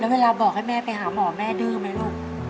เวลาบอกให้แม่ไปหาหมอแม่ดื้อไหมลูก